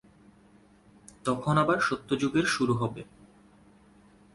তখন আবার সত্যযুগের শুরু হবে।